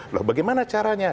loh bagaimana caranya